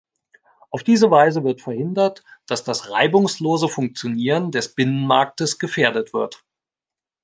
Auf diese Weise wird verhindert, dass das reibungslose Funktionieren des Binnenmarktes gefährdet wird.